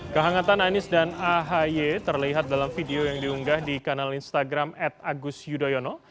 kehangatan anies dan ahy terlihat dalam video yang diunggah di kanal instagram at agus yudhoyono